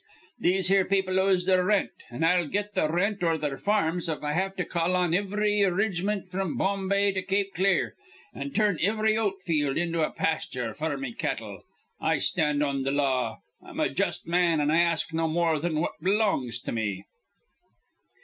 These here people owes their rent, an' I'll get th' rent or th' farms if I have to call on ivry rig'mint fr'm Bombay to Cape Clear, an' turn ivry oat field into a pasture f'r me cattle. I stand on th' law. I'm a just man, an' I ask no more thin what belongs to me.'